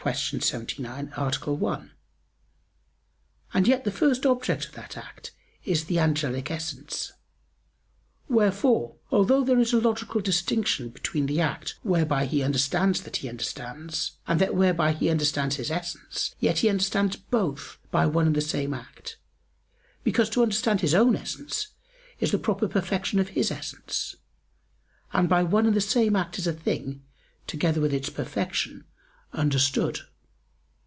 79, A. 1), and yet the first object of that act is the angelic essence. Wherefore although there is a logical distinction between the act whereby he understands that he understands, and that whereby he understands his essence, yet he understands both by one and the same act; because to understand his own essence is the proper perfection of his essence, and by one and the same act is a thing, together with its perfection, understood.